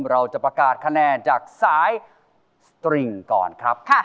เราจะประกาศคะแนนจากสายสตริงก่อนครับ